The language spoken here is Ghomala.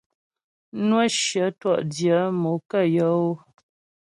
Nwə́ shyə twɔ'dyə̂ mo kə yɔ́ ó.